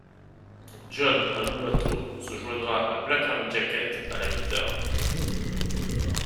John Adubato se joindra à Black Army Jacket à la guitare.